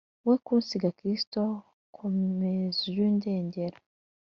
We kunsiga, Krisito, Komez' ujy'undengera.